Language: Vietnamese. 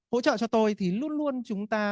hỗ trợ cho tôi thì luôn luôn chúng ta